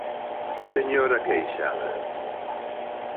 Señora Queixada.